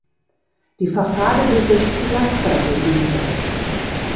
Die Fassade wird durch Pilaster gegliedert.